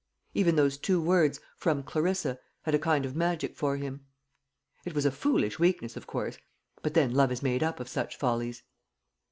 Even those two words, "From Clarissa," had a kind of magic for him. It was a foolish weakness, of course; but then love is made up of such follies.